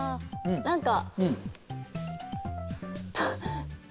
何か。